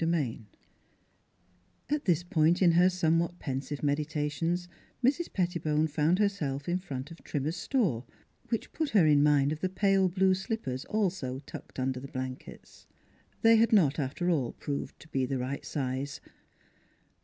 XV A" this point in her somewhat pensive medi tations Mrs. Pettibone found herself in front of Trimmer's store, which put her in mind of the pale blue slippers also tucked under the blankets. They had not, after all, proved to be the right size.